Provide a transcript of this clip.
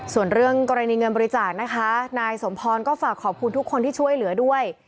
ส่วนเรื่องกรณีเงินบริจาคนะคะนายสมพรก็ฝากขอบคุณทุกคนที่ช่วยเหลือด้วย